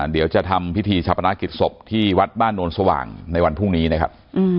เดี๋ยวจะทำพิธีชาปนากิจศพที่วัดบ้านโนนสว่างในวันพรุ่งนี้นะครับ